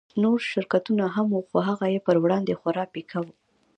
نور شرکتونه هم وو خو هغه يې پر وړاندې خورا پيکه وو.